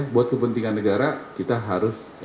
buat kepentingan negara kita harus